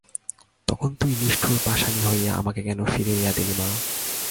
তখন তুই নিষ্ঠুর পাষাণী হইয়া আমাকে কেন ফিরাইয়া দিলি মা?